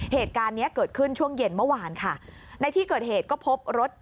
เหตุการณ์เนี้ยเกิดขึ้นช่วงเย็นเมื่อวานค่ะในที่เกิดเหตุก็พบรถ